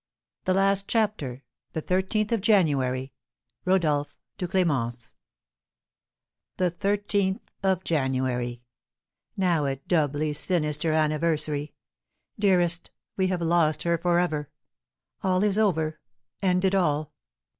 R. THE LAST CHAPTER. THE THIRTEENTH OF JANUARY. Rodolph to Clémence. The thirteenth of January! Now a doubly sinister anniversary! Dearest, we have lost her for ever! All is over, ended all.